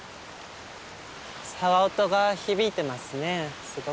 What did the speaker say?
沢音が響いてますねすごく。